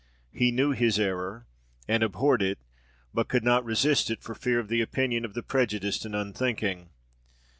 He knew his error, and abhorred it, but could not resist it for fear of the opinion of the prejudiced and unthinking.